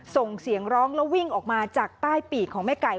ส่งเสียงร้องแล้ววิ่งออกมาจากใต้ปีกของแม่ไก่